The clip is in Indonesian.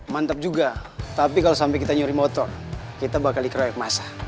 mantap juga tapi kalau sampai kita nyuri motor kita bakal dikeroyak masa